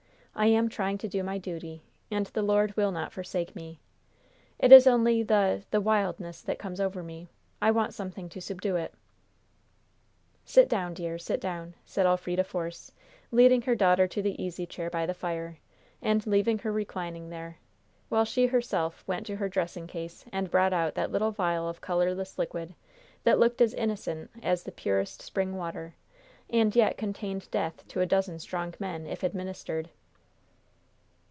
I am trying to do my duty, and the Lord will not forsake me. It is only the the wildness that comes over me. I want something to subdue it." "Sit down, dear; sit down," said Elfrida Force, leading her daughter to the easy chair by the fire, and leaving her reclining there, while she herself went to her dressing case and brought out that little vial of colorless liquid, that looked as innocent as the purest spring water, and yet contained death to a dozen strong men, if administered.